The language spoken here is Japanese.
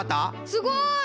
すごい！